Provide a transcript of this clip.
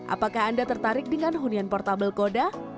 apakah anda tertarik dengan hunian portable koda